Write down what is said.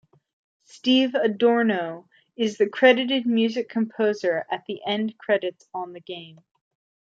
Steve Adorno is the credited music composer at the end credits on the game.